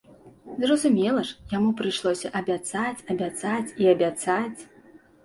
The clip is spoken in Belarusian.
Зразумела ж, яму прыйшлося абяцаць, абяцаць і абяцаць.